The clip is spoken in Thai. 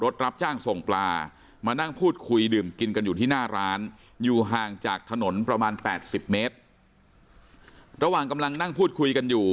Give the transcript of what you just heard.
ทางจากถนนประมาณ๘๐เมตรระหว่างกำลังนั่งพูดคุยกันอยู่